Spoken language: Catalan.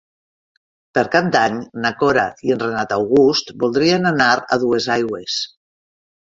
Per Cap d'Any na Cora i en Renat August voldrien anar a Duesaigües.